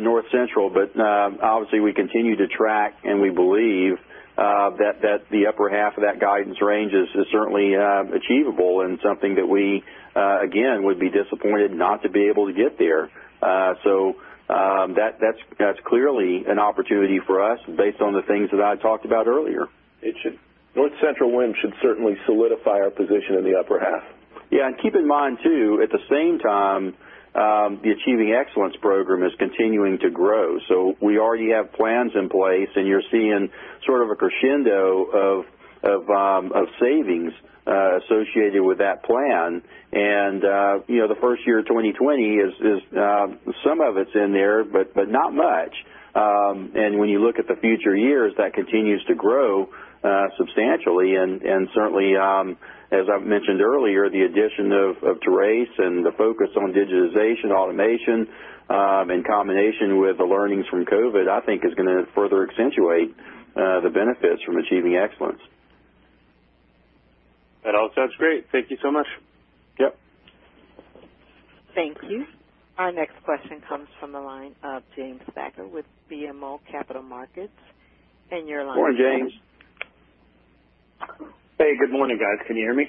[SPEAKER 3] North Central, but obviously we continue to track, and we believe that the upper half of that guidance range is certainly achievable and something that we, again, would be disappointed not to be able to get there. That's clearly an opportunity for us based on the things that I talked about earlier.
[SPEAKER 6] It should.
[SPEAKER 4] North Central Wind should certainly solidify our position in the upper half.
[SPEAKER 3] Yeah, keep in mind too, at the same time, the Achieving Excellence program is continuing to grow. We already have plans in place, and you're seeing sort of a crescendo of savings associated with that plan. The first year, 2020, some of it's in there, but not much. When you look at the future years, that continues to grow substantially. Certainly, as I've mentioned earlier, the addition of Therace and the focus on digitization, automation, in combination with the learnings from COVID, I think is going to further accentuate the benefits from Achieving Excellence.
[SPEAKER 6] That all sounds great. Thank you so much.
[SPEAKER 3] Yep.
[SPEAKER 1] Thank you. Our next question comes from the line of James Thalacker with BMO Capital Markets. Your line is open.
[SPEAKER 3] Morning, James.
[SPEAKER 7] Hey, good morning, guys. Can you hear me?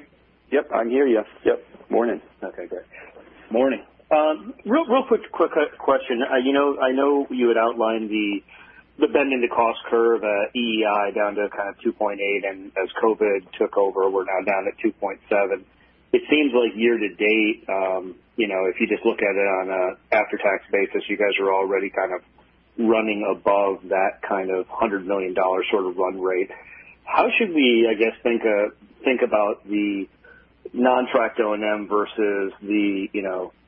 [SPEAKER 3] Yep, I can hear you.
[SPEAKER 7] Yep.
[SPEAKER 3] Morning.
[SPEAKER 7] Okay, great.
[SPEAKER 4] Morning.
[SPEAKER 7] Real quick question. I know you had outlined the bending the cost curve, EEI, down to kind of 2.8, and as COVID took over, we're now down at 2.7. It seems like year to date, if you just look at it on an after-tax basis, you guys are already kind of running above that kind of $100 million sort of run rate. How should we, I guess, think about the non-tracked O&M versus the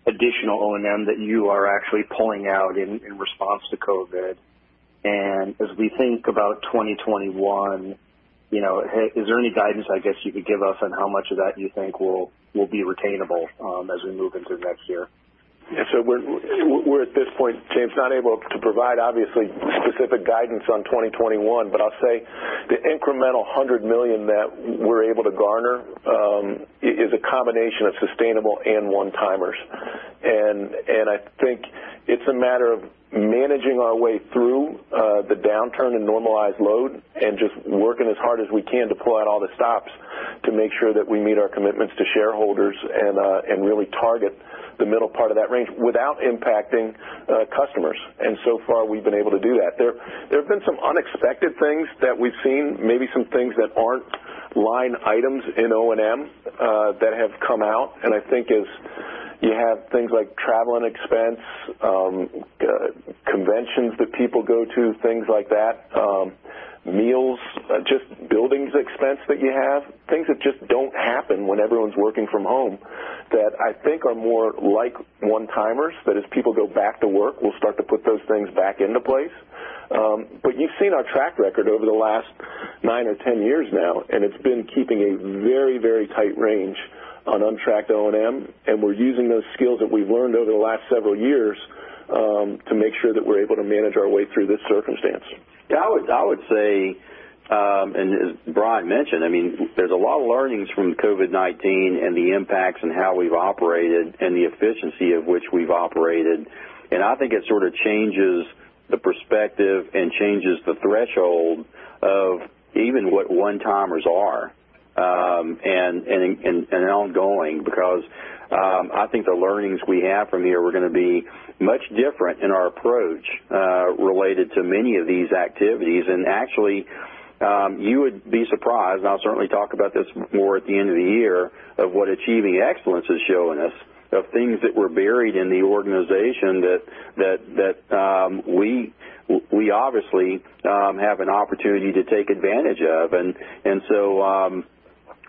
[SPEAKER 7] additional O&M that you are actually pulling out in response to COVID? As we think about 2021, is there any guidance, I guess, you could give us on how much of that you think will be retainable as we move into next year?
[SPEAKER 4] So we're at this point, James, not able to provide, obviously, specific guidance on 2021. I'll say the incremental $100 million that we're able to garner is a combination of sustainable and one-timers. I think it's a matter of managing our way through the downturn in normalized load and just working as hard as we can to pull out all the stops to make sure that we meet our commitments to shareholders and really target the middle part of that range without impacting customers. So far, we've been able to do that. There have been some unexpected things that we've seen, maybe some things that aren't line items in O&M that have come out. I think as you have things like travel and expense, conventions that people go to, things like that, meals, just buildings expense that you have, things that just don't happen when everyone's working from home, that I think are more like one-timers, that as people go back to work, we'll start to put those things back into place. You've seen our track record over the last nine or 10 years now. It's been keeping a very tight range on untracked O&M. We're using those skills that we've learned over the last several years to make sure that we're able to manage our way through this circumstance.
[SPEAKER 3] Yeah, I would say, as Brian mentioned, there's a lot of learnings from COVID-19 and the impacts on how we've operated and the efficiency of which we've operated. I think it sort of changes the perspective and changes the threshold of even what one-timers are, and ongoing because I think the learnings we have from here are going to be much different in our approach, related to many of these activities. Actually, you would be surprised, and I'll certainly talk about this more at the end of the year, of what Achieving Excellence is showing us of things that were buried in the organization that we obviously have an opportunity to take advantage of.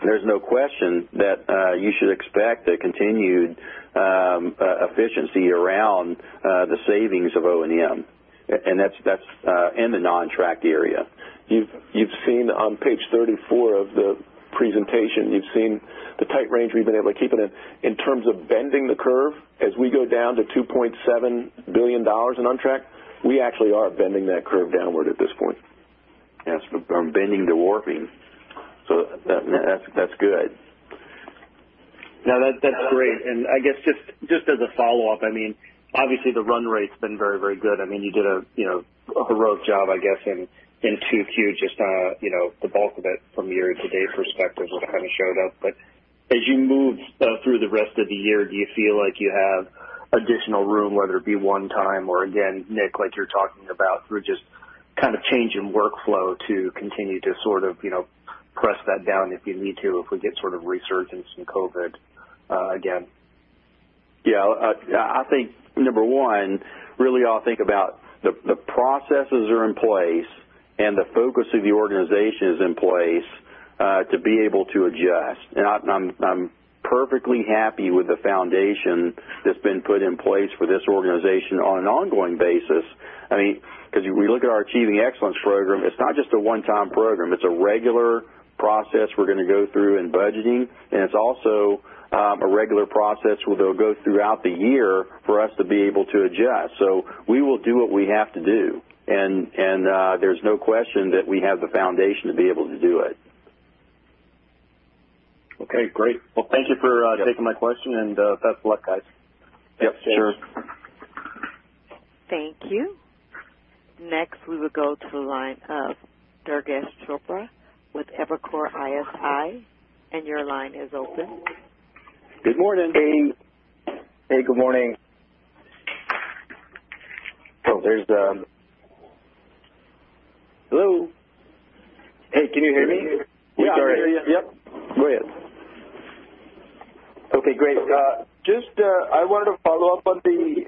[SPEAKER 3] There's no question that you should expect a continued efficiency around the savings of O&M. That's in the non-tracked area.
[SPEAKER 4] You've seen on page 34 of the presentation, you've seen the tight range we've been able to keep it in. In terms of bending the curve, as we go down to $2.7 billion in untracked, we actually are bending that curve downward at this point.
[SPEAKER 3] Yes. From bending to warping. That's good.
[SPEAKER 7] No, that's great. I guess just as a follow-up, obviously the run rate's been very good. You did a heroic job, I guess, in 2Q, just the bulk of it from a year-to-date perspective kind of showed up. As you move through the rest of the year, do you feel like you have additional room, whether it be one time or, again, Nick, like you're talking about, through just kind of change in workflow to continue to sort of press that down if you need to, if we get sort of resurgence in COVID again?
[SPEAKER 3] Yeah. I think number one, really all think about the processes are in place and the focus of the organization is in place to be able to adjust. I'm perfectly happy with the foundation that's been put in place for this organization on an ongoing basis. If we look at our Achieving Excellence program, it's not just a one-time program. It's a regular process we're going to go through in budgeting, and it's also a regular process that will go throughout the year for us to be able to adjust. We will do what we have to do. There's no question that we have the foundation to be able to do it.
[SPEAKER 7] Okay, great. Well, thank you for taking my question, and best of luck, guys.
[SPEAKER 3] Yep, sure.
[SPEAKER 1] Thank you. Next, we will go to the line of Durgesh Chopra with Evercore ISI. Your line is open.
[SPEAKER 3] Good morning.
[SPEAKER 8] Hey. Good morning.
[SPEAKER 3] Oh, there's Hello?
[SPEAKER 8] Hey, can you hear me?
[SPEAKER 3] Yeah.
[SPEAKER 8] Sorry.
[SPEAKER 3] Yep. Go ahead.
[SPEAKER 8] Okay, great. I wanted to follow up on the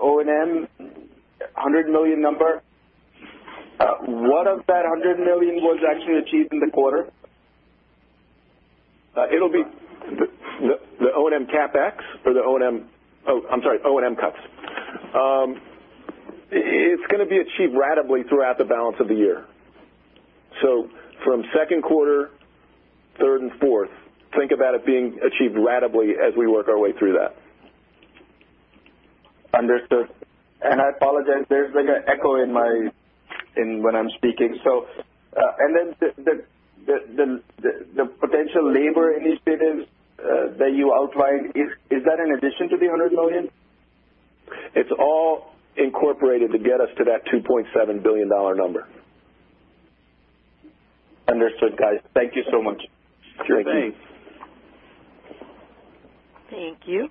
[SPEAKER 8] O&M $100 million number. What of that $100 million was actually achieved in the quarter?
[SPEAKER 4] It'll be the O&M CapEx, or the O&M Oh, I'm sorry, O&M cuts. It's going to be achieved ratably throughout the balance of the year. From second quarter, third, and fourth, think about it being achieved ratably as we work our way through that.
[SPEAKER 8] Understood. I apologize, there's an echo when I'm speaking. The potential labor initiatives that you outlined, is that in addition to the $100 million?
[SPEAKER 4] It's all incorporated to get us to that $2.7 billion number.
[SPEAKER 8] Understood, guys. Thank you so much.
[SPEAKER 3] Sure thing.
[SPEAKER 1] Thank you.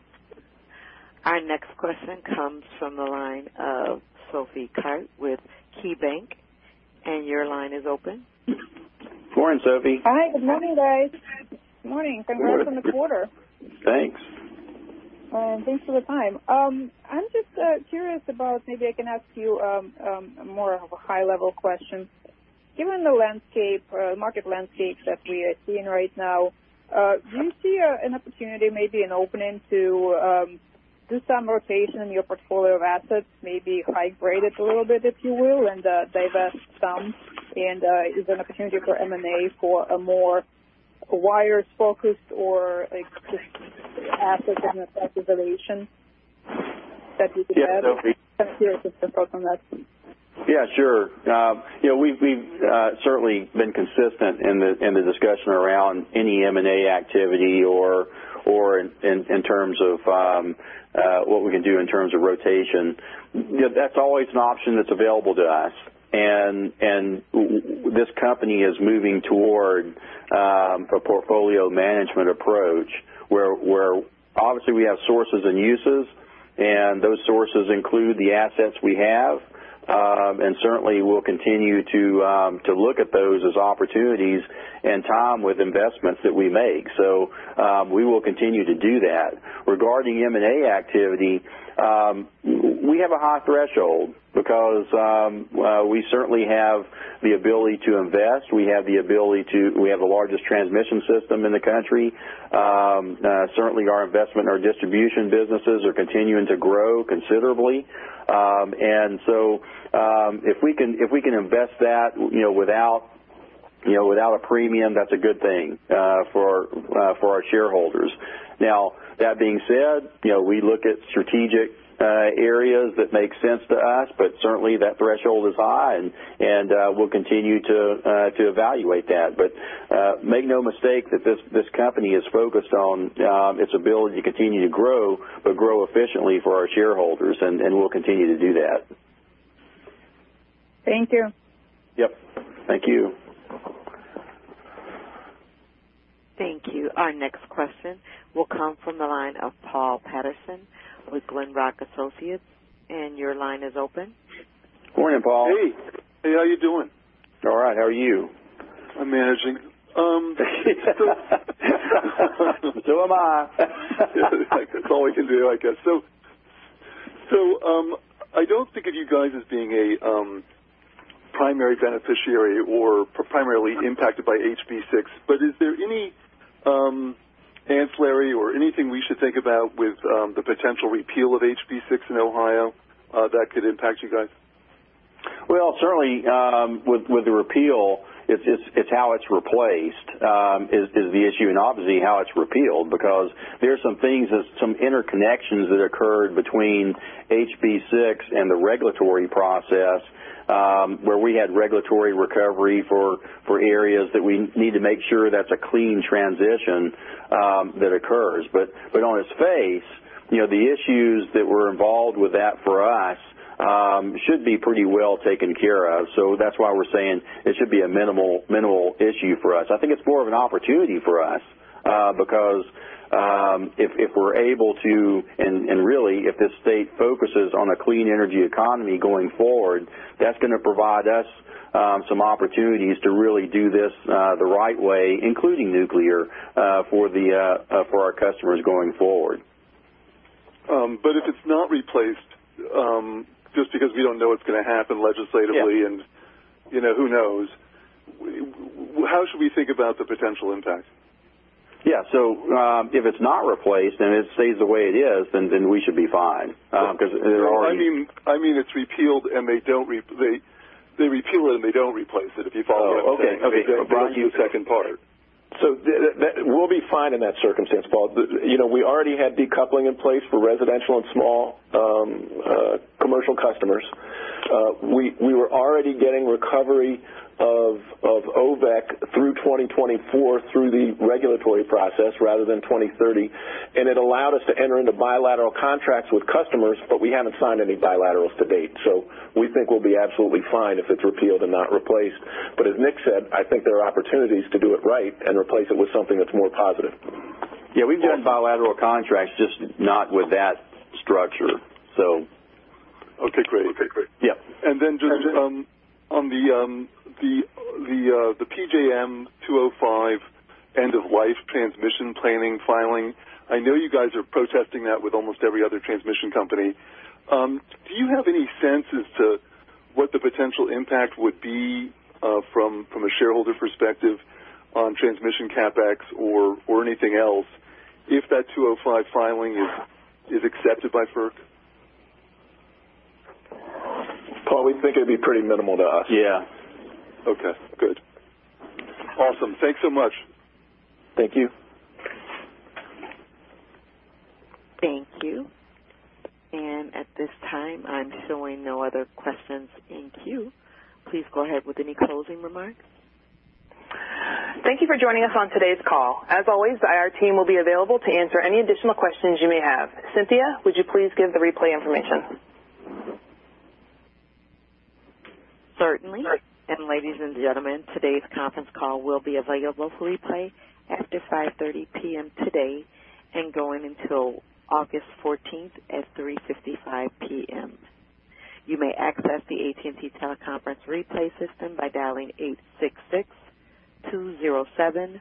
[SPEAKER 1] Our next question comes from the line of Sophie Karp with KeyBank, and your line is open.
[SPEAKER 3] Morning, Sophie.
[SPEAKER 9] Hi. Good morning, guys. Morning. Congratulations on the quarter.
[SPEAKER 3] Thanks.
[SPEAKER 9] Thanks for the time. I'm just curious about, maybe I can ask you more of a high-level question. Given the market landscape that we are seeing right now, do you see an opportunity, maybe an opening to do some rotation in your portfolio of assets, maybe high-grade it a little bit, if you will, and divest some? Is there an opportunity for M&A for a more wires-focused or existing assets and asset relations that you could add?
[SPEAKER 3] Yeah, Sophie.
[SPEAKER 9] I'm curious just to focus on that.
[SPEAKER 3] Yeah, sure. We've certainly been consistent in the discussion around any M&A activity or in terms of what we can do in terms of rotation. That's always an option that's available to us. This company is moving toward a portfolio management approach where obviously we have sources and uses, and those sources include the assets we have. Certainly we'll continue to look at those as opportunities in time with investments that we make. We will continue to do that. Regarding M&A activity, we have a high threshold because we certainly have the ability to invest. We have the largest transmission system in the country. Certainly our investment, our distribution businesses are continuing to grow considerably. If we can invest that without a premium, that's a good thing for our shareholders. That being said, we look at strategic areas that make sense to us, but certainly that threshold is high and we'll continue to evaluate that. Make no mistake that this company is focused on its ability to continue to grow, but grow efficiently for our shareholders, and we'll continue to do that.
[SPEAKER 9] Thank you.
[SPEAKER 3] Yep. Thank you.
[SPEAKER 1] Thank you. Our next question will come from the line of Paul Patterson with Glenrock Associates. Your line is open.
[SPEAKER 3] Morning, Paul.
[SPEAKER 10] Hey. Hey, how are you doing?
[SPEAKER 3] All right. How are you?
[SPEAKER 10] I'm managing.
[SPEAKER 3] So am I.
[SPEAKER 10] That's all we can do, I guess. I don't think of you guys as being a primary beneficiary or primarily impacted by HB6, but is there any ancillary or anything we should think about with the potential repeal of HB6 in Ohio that could impact you guys?
[SPEAKER 3] Well, certainly, with the repeal, it's how it's replaced is the issue, and obviously how it's repealed, because there's some things that some interconnections that occurred between HB6 and the regulatory process, where we had regulatory recovery for areas that we need to make sure that's a clean transition that occurs. On its face, the issues that were involved with that for us should be pretty well taken care of. That's why we're saying it should be a minimal issue for us. I think it's more of an opportunity for us, because, if we're able to, and really, if this state focuses on a clean energy economy going forward, that's going to provide us some opportunities to really do this the right way, including nuclear, for our customers going forward.
[SPEAKER 10] If it's not replaced, just because we don't know what's going to happen legislatively.
[SPEAKER 3] Yeah
[SPEAKER 10] Who knows? How should we think about the potential impact?
[SPEAKER 3] Yeah. If it's not replaced and it stays the way it is, then we should be fine.
[SPEAKER 10] I mean, it's repealed and they repeal it and they don't replace it, if you follow what I'm saying.
[SPEAKER 3] Oh, okay.
[SPEAKER 10] I brought you the second part.
[SPEAKER 4] We'll be fine in that circumstance, Paul. We already had decoupling in place for residential and small commercial customers. We were already getting recovery of OVEC through 2024 through the regulatory process rather than 2030. It allowed us to enter into bilateral contracts with customers, but we haven't signed any bilaterals to date. We think we'll be absolutely fine if it's repealed and not replaced. As Nick said, I think there are opportunities to do it right and replace it with something that's more positive.
[SPEAKER 3] Yeah, we've done bilateral contracts, just not with that structure.
[SPEAKER 10] Okay, great.
[SPEAKER 3] Yeah.
[SPEAKER 10] Just on the PJM 205 end-of-life transmission planning filing, I know you guys are protesting that with almost every other transmission company. Do you have any sense as to what the potential impact would be from a shareholder perspective on transmission CapEx or anything else if that 205 filing is accepted by FERC?
[SPEAKER 3] Paul, we think it'd be pretty minimal to us.
[SPEAKER 4] Yeah.
[SPEAKER 10] Okay, good. Awesome. Thanks so much.
[SPEAKER 3] Thank you.
[SPEAKER 1] Thank you. At this time, I'm showing no other questions in queue. Please go ahead with any closing remarks.
[SPEAKER 2] Thank you for joining us on today's call. As always, our team will be available to answer any additional questions you may have. Cynthia, would you please give the replay information?
[SPEAKER 1] Certainly. Ladies and gentlemen, today's conference call will be available for replay after 5:30 P.M. today and going until August 14th at 3:55 P.M. You may access the AT&T Teleconference Replay System by dialing 866-207-1041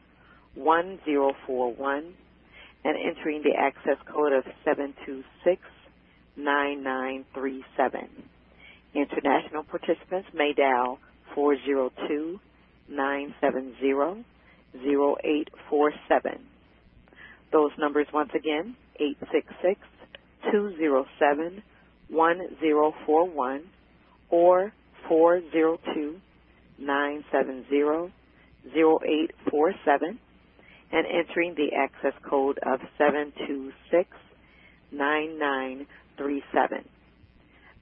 [SPEAKER 1] and entering the access code of 7269937. International participants may dial 402-970-0847. Those numbers once again, 866-207-1041 or 402-970-0847 and entering the access code of 7269937.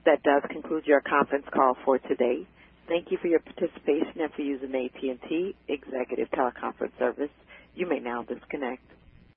[SPEAKER 1] That does conclude your conference call for today. Thank you for your participation and for using AT&T Executive Teleconference Service. You may now disconnect.